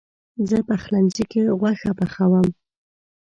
زه پخلنځي کې غوښه پخوم.